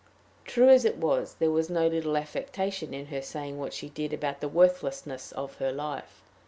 True as it was, there was no little affectation in her saying what she did about the worthlessness of her life.